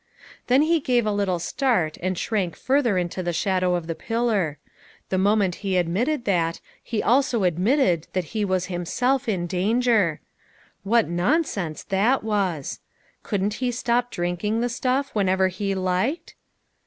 Then he gave a little start and shrank farther into the shadow of the pillar. The moment he 254 LITTLE FISHERS: AND THEIR NETS. admitted that, he also admitted that he was him self in danger. What nonsense that was! Couldn't he stop drinking the stuff whenever he liked